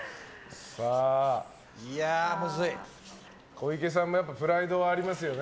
小池さんもプライドがありますよね。